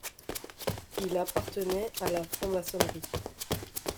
Il appartenait à la franc-maçonnerie.